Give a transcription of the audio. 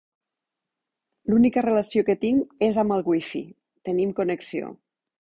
L'única relació que tinc és amb el Wifi. Tenim connexió.